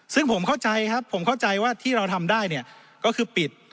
ซึ่งผมเข้าใจครับผมเข้าใจว่าที่เราทำได้เนี่ยก็คือปิด